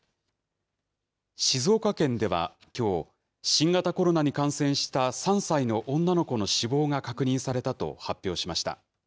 静岡県ではきょう、新型コロナに感染した３歳の女の子の死亡が確認されたと発表しました。